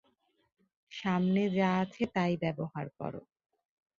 সামনে যা আছে তাই ব্যবহার কর!